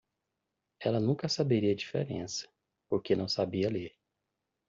Ela nunca saberia a diferença? porque não sabia ler.